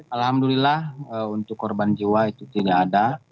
alhamdulillah untuk korban jiwa itu tidak ada